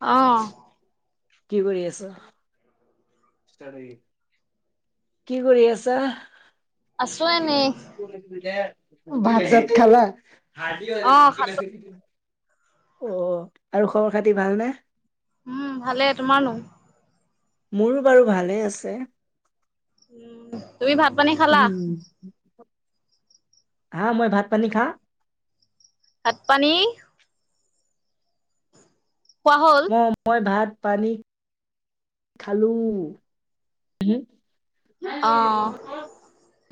অ'। কি কৰি আছো? [unintelligible] কি কৰি আছা? আছো এনেই ভাত চাত খালা? অ', খালো অ' আৰু খবৰ খাতি ভাল নে? উম' ভালে, তোমাৰনো? মোৰো বাৰু ভালে আছে। উম তুমি ভাত পানী খালা? উম, হাঁ মই ভাত পানী খা- ভাত পানী- খোৱা হল। অ' মই ভাত পানী- খালো। হুম অ',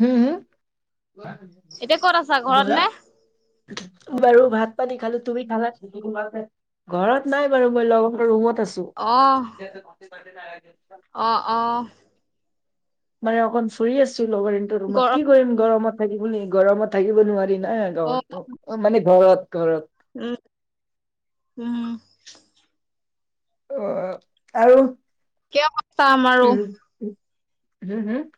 হুম হুম। এতিয়া ক'ত আছা কি ঘৰত কলে? নে? বাৰু ভাত পানী খালো, তুমি খালা? ঘৰত নাই বাৰু মই লগৰ ৰুমত আছো। অঁ অঁ'। মানে অকণ ফুৰি আছো লগ ইনট ৰুমত গৰম কি কৰিম গৰমত থাকি পিনি গৰমত থাকিব নোৱাৰি না। অ' মানে ঘৰত ঘৰত। উম উম'। অ' আৰু একে অৱস্থা আমাৰো উম হুম হুম'।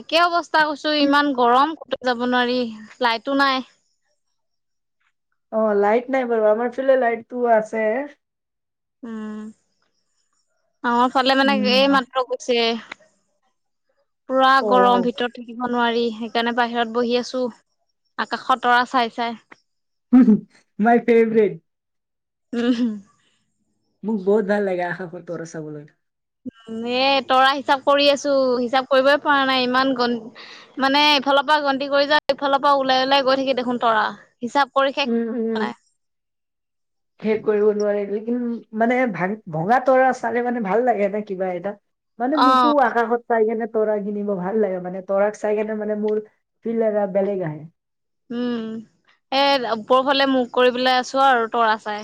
একে অৱস্থা কৈছো ইমান গৰম কত যাব নোৱাৰি লাইটো নাই। অ' লাইট নাই বাৰু আমাৰ ফালে লাইট টো আছে। উম, আমাৰ ফালে মানে এই উম, মাত্ৰ গ- ছে পুৰা অ গৰম ভিতৰত থাকি- ব নোৱাৰি সেইকাৰণে, বাহিৰত বহি আছো আকাশত তৰা চাই চাই। My favourite. Um hmm. মোক বহুত ভাল লাগে আকাশৰ তৰা চাবলৈ। উম' এ তৰা হিচাপ কৰি আছো। হিচাপ কৰিবই পৰা নাই ইমান গ- মানে এইফালৰ পৰা গন্তি কৰি যা এইফালৰ পৰা ওলাই ওলাই গৈ থাকি দেখোন তৰা হিচাপ কৰি শেষ- উম উম। নাই শেষ কৰিব নোৱাৰিলে কিন মানে ভা ভঙা তৰা চালে মানে ভাল লাগে নে কিবা এটা। মানে অ মোকো আকাশত- চাই কেনে তৰা কিনিব ভাল লাগে মানে তৰাক চাই কিনে মানে মোৰ ফিল্ড এটা বেলেগ আহে। উম' এ ওপৰফালে মোখ কৰি পেলাই আছো আৰু তৰা চাই।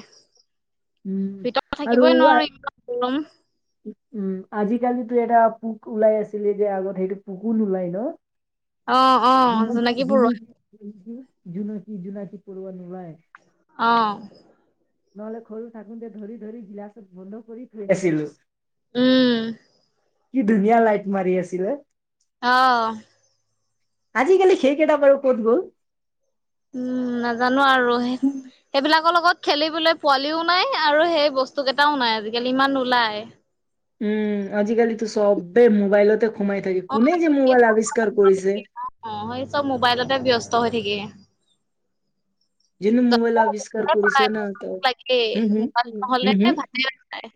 উম ভিতৰত আৰু থাকিবই আ- নোৱাৰো এনেকুৱা গৰম। উম' আজিকালিতো এটা পোক ওলাই আছিলে যে আগত সেইটো পোকো নোলাই ন। অঁ অঁ জোনাকী পৰুৱা। জোনাকি জোনাকি পৰুৱা নোলাই। অঁ' নহলে সৰু থাকোতে ধৰি ধৰি গিলাচত বন্ধ কৰি থৈ আছিলো। উম' কি ধুনীয়া লাইট মাৰি আছিলে। অঁ' আজিকালি সেই কেইটা বাৰু ক'ত গ'ল? উম' নাজানো আৰু সে- সেইবিলাকৰ লগত খেলিবলে পোৱালিও নাই আৰু সেই বস্তুকেইটাও নাই, আজিকালি ইমান নোলায়। উম আজিকালিতো চবে মোবাইলতে সোমাই থাকে। কোনে যে মোবাইল আৱিষ্কাৰ কৰিছে। অঁ সেই চব মোবাইলতে ব্যস্ত হৈ থাকে। যোনে মোবাইল জন্ম হবৰ আৱিষ্কাৰ পৰাই কৰিছে ন ত মোবাইল লাগেই, হম হম মোবাইল হম নহলে হম ভাতে নাখায়।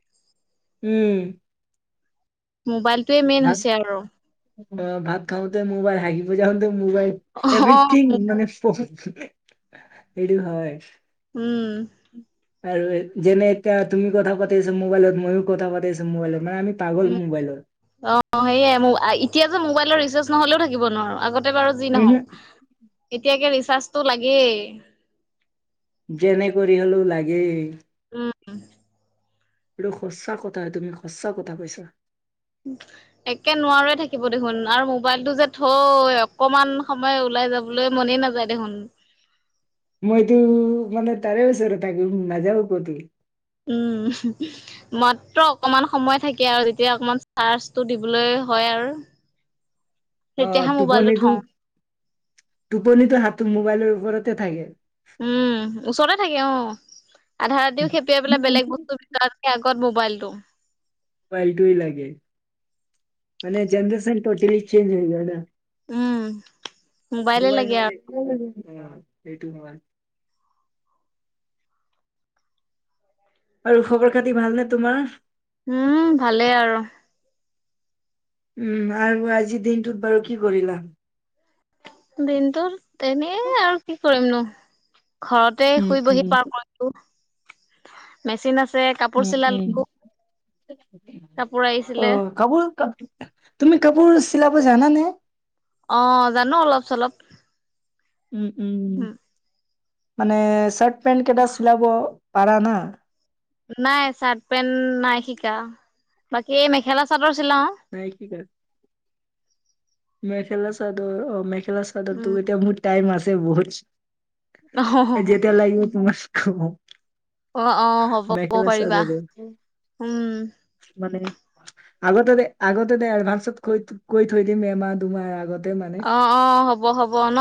উম। মোবাইলটোৱে মেইন ভাত হৈছে আৰু। অ, ভাত খাওঁতে মোবাইল হাগিব জাওঁতে মোবাইল অ এভ্ৰিথিং মানে [unintelligible] এইটো হয়। উম আৰু যেনে এতিয়া তুমি কথা পাতিছা মোবাইলত মইয়ো কথা পাতি আছো মোবাইলত মানে আমি পাগল উম মোবাইলত। অঁ সেয়াই মো এতিয়া যে মোবাইলৰ ৰিচাৰ্জ নহ'লেও থাকিব নোৱাৰো। আগ তে বাৰু যি উমহু। নহওক এতিয়া একে ৰিচাৰ্জটো লাগেই। যেনে কৰি হ'লেও লাগেই। উম এইটো সঁচা কথা তুমি সঁচা কথা কৈছা। [inaudible] একে নোৱাৰোৱে থাকিব দেখোন আৰু মোবাইলটো যে থৈ অকমান সময় ওলাই যাব লৈ মনেই নাযায় দেখোন। মইতো মানে তাৰে ওচৰ থাকিম নাযাওঁ কতো। উম মাত্ৰ অকমান সময় থাকে আৰু তেতিয়া অকমান চাৰ্জটো দিবলৈ হয় আৰু। অ তেতিয়াহে মোবাইলটো টোপনিতো থওঁ। টোপনিতো হাতটো মোবাইলৰ ওপৰতে থাকে। উম ওচৰতে থাকে অঁ, আধা উম। ৰাতিও সেপিয়াই পেলাই বেলেগ বস্তু তাতকে আগত মোবাইলটো। মোবাইলটোৱে লাগে। মানে জেনেৰেচন টোটেলি চেঞ্জ হৈ গল না। উম মোবাইলে মোবাইল লাগে নহলে আৰু [unintelligible] আৰু খবৰ খাতি ভালনে তোমাৰ? উম ভালে আৰু। উম আৰু আজিৰ দিনটোত বাৰু কি কৰিলা? দিনটোত এনেই আৰু কি কৰিমনো। ঘৰতে উম, শুই বহি উম। পাৰ কৰি ছো। মেচিন আছে উম কাপোৰ উম। চিলালো, কাপোৰ অ আহিছিলে। কাপোৰ তুমি কাপোৰ চিলাব জানা নে? অঁ জানো অলপ চলপ। উম উম, মানে চাৰ্ট পেণ্ট কেইটা চিলাব পাৰা না? নাই চাৰ্ট পেণ্ট নাই শিকা। বাকী এই মেখেলা চাদৰ চিলাও। নাই শিকা? মেখেলা চাদৰ অ মেখেলা চাদৰ উম। তোৰ এতিয়া মোৰ টাইম আছে বহুত। অ যেতিয়া লাগিব তোমাক কম। অ অ হ'ব কব মেখেলা পাৰিবা চাদৰ উম। মানে আগতে দে আগতে দে এডভান্সত কৈ কৈ থৈ দিম এমাহ দুমাহ আগত। অঁ অঁ হ'ব হ'ব ন,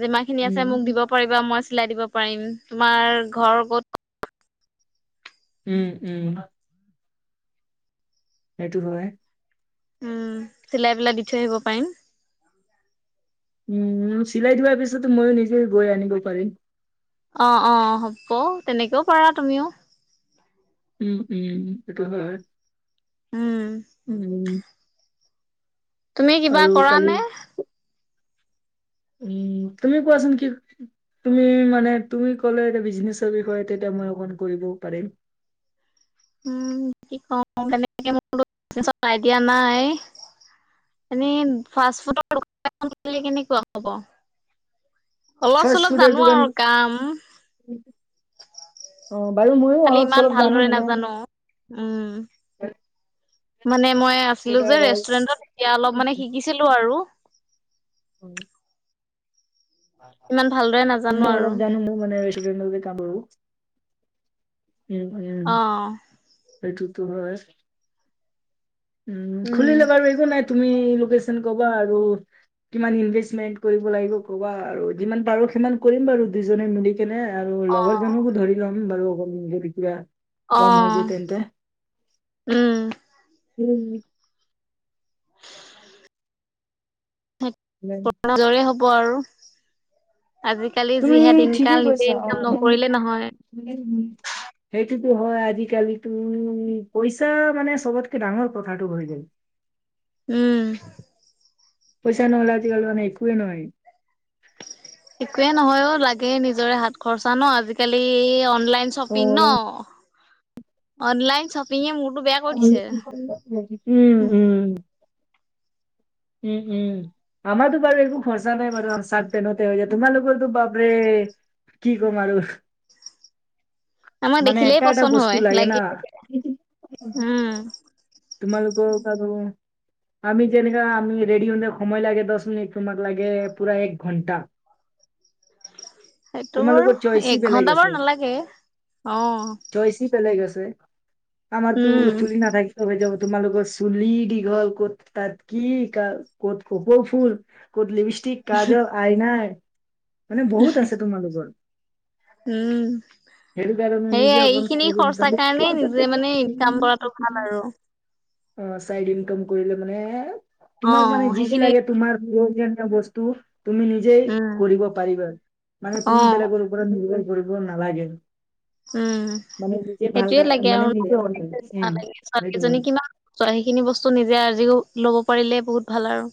যিমানখিনি আছে উম মোক দিব পাৰিবা মই চিলাই দিব পাৰিম। তোমাৰ ঘৰ ক'ত? উম উম। সেইটো হয়। উম, চিলাই পিলাই দি থয় আহিব পাৰিম। উম, চিলাই থোৱাৰ পিছতো ময়ো নিজে গৈ আনিব পাৰিম। অঁ অঁ, হ'ব তেনেকেও পাৰা তুমিও। উম উম উম এইটো হয়, উম উম উ তুমি কিবা কৰা কালি নে? উম তুমি কোৱাচোন কি? তুমি মানে তুমি ক'লে এতিয়া বিজনেছৰ বিষয়ে তেতিয়া মই অকমান কৰিবও পাৰিম। উম কি কওঁ তেনেকে মোৰ বিজনেছৰ আই দিয়া নাই। এনেই ফাষ্ট ফুডৰ দোকান এখন খুলিলে কেনেকুৱা হ'ব? অলপ চলপ জানো আৰু কাম। উম, অঁ বাৰু ময়ো খালি অলপ ইমান চলপ ভালদৰে জানো মানে নাজানো উম মানে মই আছিলো কেইটা যে ৰাইচ ৰেষ্টুৰেণ্টত এতিয়া অলপ মানে শিকিছিলোঁ আৰু। [inaudible] ইমান ভালদৰে [inaudible] নাজানো আৰু টা কৰোঁ, উম উম অ এইটোতো হয়। উম, খুলিলে বাৰু একো নাই তুমি লোকেশ্যন কবা আৰু। কিমান ইনভেষ্টমেন্ট কৰিব লাগিব ক'বা আৰু যিমান পাৰো সিমান কৰিম বাৰু দুজনে মিলি কেনে আৰু লগৰ জনকো ধৰি ল'ম বাৰু অকল নিজে তেতিয়া অঁ উম উম নিজৰে হ'ব আৰু, আজি কালি তুমি যিহে ঠিকেই দিনকাল নিজে কৈছা অ'। ইনকাম নকৰিলে নহয়। [inaudible] সেইটোতো হয়, আজিকালিতো পইচা মানে চবতকে ডাঙৰ কথাটো হৈ গ'ল। উম। পইছা, নহলে আজি কালি মানে একোৱেই নোৱাৰি। একোৱে নহয় অ লাগে নিজৰে হাত খৰচা ন আজিকালি, অন লাইন শ্বপিং ন, উম, অনলাইন শ্বপিং মোৰটো বে উম উম উম উম আমাৰতো বাৰু একো খৰচা নাই, বাৰু আ চাত পেনতে হৈ যায় তোমাৰালোকৰ তো বাপাৰে। কি কম আৰু। আমাক মানে দেখিলেই এটা এটা পচন্দ হয় বস্তু লাগে না উম। তোমালোক কাবাৰ আমি যেনেকা আমি ৰেডি হওঁতে সময় লাগে দহ মিনিট, তোমাক লাগে পুৰা এক ঘণ্টা। সেইটো বাৰু তোমালোকৰ চইচি এক বেলেগ ঘন্টা আছে বাৰু নালাগে অঁ। চইচি পেলায় গৈছে আমাৰতো উম চুলি নাথাকে। ত যাব, তোমালোকৰ চুলি দীঘল ক'ত, তাত কি ক ক'ত কপৌ ফুল। ক'ত লিপষ্টিক, কাজল, আইনাই মানে বহুত আছে তোমালোকৰ। উম সেইটো কাৰণে সে নিজে এই অকণ খিনি খৰ্চা কাৰণে চাই নিজে মানে ইনকাম কৰাতটো ভাল আৰু। অঁ, চাইড ইনকাম কৰিলে মানে অ তোমাক মানে যি যি সেইখিনি লাগে তোমাৰ প্ৰয়োজনীয় বস্তু, তুমি নিজেই উম কৰিব পাৰিবা মানে অ তুমি বেলেগৰ ওপৰত নিৰ্ভৰ কৰিব নালাগে। উম মানে নিজে ভাল সেইটোয়ে দা মানে নিজে অধি ওম। কেইজনী কিমান? চ সেইখিনি বস্তু নিজে আজিও লব পাৰিলে বহুত ভাল আৰু।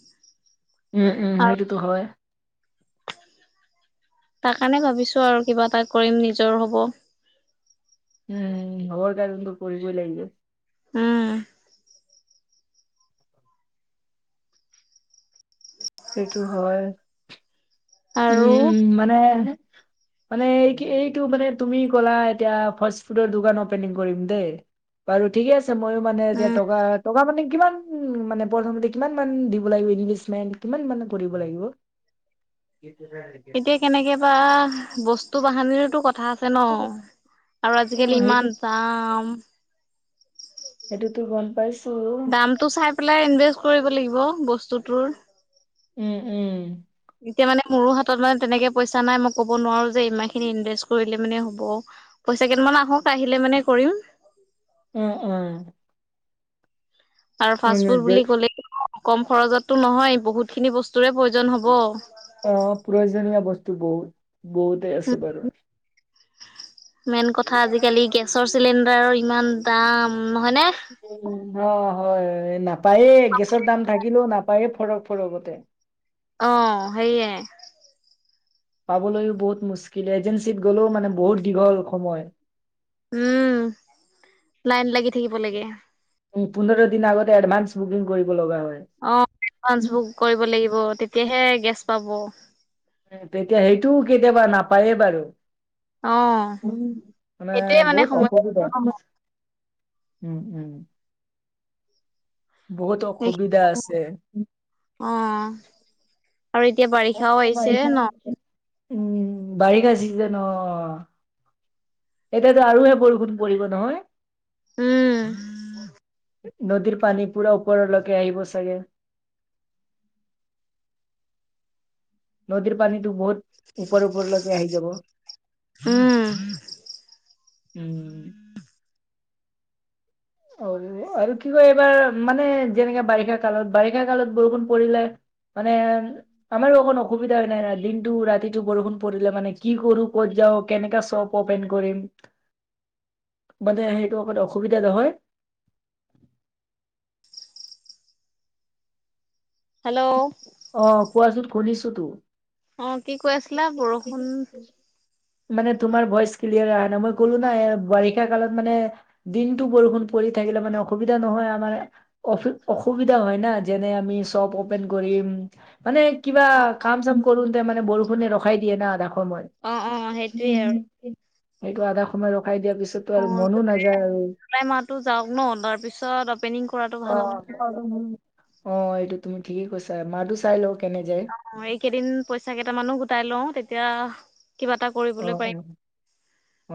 উম উম আৰু সেইটোতো হয়। তাৰ কাৰণে ভাবিছো আৰু কিবা এটা কৰিম নিজৰ হ'ব। উম হব দে যোনটো কৰিব লাগিব। উম। সেইটো হয়। আৰু উম মানে মানে এই কি এইটো মানে তুমি ক'লা এতিয়া ফাচ ফুডৰ দোকান অপেনিং কৰিম দেই বাৰু ঠিকে আছে মইও মানে এতিয়া উম টকা - টকা মানে কিমান উম মানে প্ৰথমতে কিমান মান দিব লাগিব ইনভেষ্টমেণ্ট কিমান মান কৰিব লাগিব? কি কৈছে? এতিয়া কেনেকে বা বস্তু বাহানিৰতো কথা আছে ন? আৰু অ আজিকালি সেইটো ইমান দাম। সেইটোতো গম পাইছো। টো চাই পেলাই ইনভেষ্ট কৰিব লাগিব বস্তুটোৰ। উম উম। এতিয়া মানে মোৰো হাতত মানে তেনেকে পইচা নাই মই ক'ব নোৱাৰো যে ইমানখিনি ইনভেষ্ট কৰিলে মানে হ'ব পইচা কেইটামান আহক আহিলে মানে কৰিম। উম উম। আৰু ফাষ্ট মানে ফুড যে বুলি ক'লে কম খৰচতটো নহয় বহুতখিনি বস্তুৰে প্ৰয়োজন হ'ব। অ প্ৰয়োজনীয় বস্তু বহুত- বহুত। অ [inaudible] মেইন কথা আজিকালি গেছৰ চিলিণ্ডাৰৰ ইমান দাম নহয় নে? উম অ হয়, নাপায়ে গেছৰ দাম থাকিলেও নাপায়ে ফৰক - ফৰকতে। অ সেইয়ে। পাবলৈও বহুত মুস্কিল, এজেঞ্চীত গ'লেও মানে বহুত দীঘল সময়। উম, লাইন লাগি থাকিব লাগে। উম, পোন্ধৰ দিন আগতে এডভান্স বুকিং কৰিব লগা হয়। অ, [inaudible] উম, বুক কৰিব লাগিব তেতিয়াহে গেছ পাব। উম, তেতিয়া সেইটো কেতিয়াবা নাপায়ে বাৰু। অ'। উম মানে সেইটোয়ে বহুত সময় অপখিত। উম উম। বহুত অসুবিধা আছে। অহ আৰু এতিয়া বাৰিষাও আহিছে ন? উম, বাৰিষা চিজন এতিয়াতো আৰু হে বৰষুণ পৰিব নহয়? উম। নদীৰ পানী পুৰা ওপৰলৈকে আহিব চাগে? নদীৰ পানীটো বহুত ওপৰ ওপৰলৈকে আহি যাব। উম। উম। অ এ আৰু কি কয় এইবাৰ মানে যেনেকে বাৰিষা কালত, বাৰিষা কালত বৰষুণ পৰিলে মানে আমাৰো অকনো অসুবিধা হয় নাই দিনটো ৰাতিটো বৰষুণ পৰিলে মানে কি কৰো ক'ত যাও কেনেকে চব- কপেন কৰিম, মানে সেইটো অকণ অসুবিধা নহয়। [inaudible] হেল্লো'। অ কোৱা চোন শুনিছো তো। অ কি কৈ আছিলা বৰষুণ। মানে তোমাৰ ভইচ ক্লিয়াৰ অহা নাই মই ক'লো নাই বাৰিষা কালত মানে- দিনটো বৰষুণ পৰি থাকিলে মানে অসুবিধা নহয় আমাৰ- অ অসুবিধা হয় ন যেনে আমি শ্বপ অপেন কৰিম। মানে কিবা অ কাম চাম কৰোতে মানে বৰষুণে ৰখাই দিয়ে না ডাখৰ মই। অ সেইটোয়ে আৰু সেইটো আধা সময় ৰখাই দিয়াৰ পিছত। অ জোলাই মাহটো যাওক ন তাৰপিছত অপেনিং কৰাটো ভাল হ'ব। অ এইটো তুমি ঠিকেই কৈছা মাহটো চাই লও কেনে যায়। অ এইকেইদিন পইচা কেইটামানো গোটাই লও তেতিয়া কিবা এটা- কৰিবলৈ অহ পাৰিম হ'ব,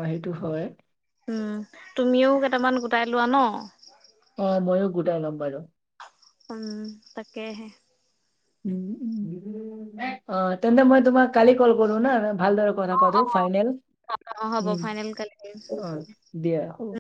সেইটো হয়। উম, তুমিও কেইটামান গোটাই লোৱা ন। অ মইও গোটাই লম বাৰু। উম তাকেহে। উ উ অ তেন্তে মই তোমাক কালি কল কৰো না ভালদৰে- কথা পাতোঁ ফাইনেল, অ হ'ব উম, ফাইনেল কালি অ দিয়া হ'ব।